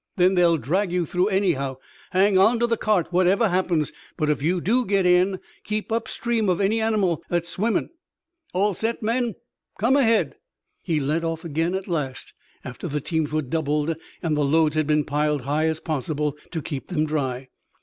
Then they'll drag you through anyhow. Hang onto the cart whatever happens, but if you do get in, keep upstream of any animile that's swimmin'." "All set, men? Come ahead!" He led off again at last, after the teams were doubled and the loads had been piled high as possible to keep them dry.